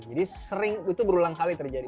jadi sering itu berulang kali terjadi